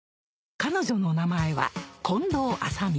彼女の名前は近藤麻美